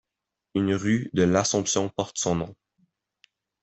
Une rue de L'Assomption porte son nom.